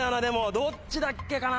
どっちだっけかな。